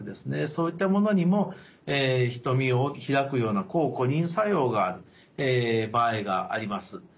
そういったものにも瞳をひらくような抗コリン作用がある場合があります。